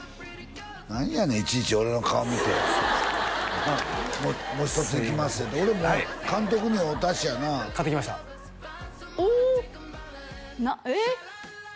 何やねんいちいち俺の顔見てもう一ついきまっせって俺もう監督に会うたしやな買ってきましたおおっえっ？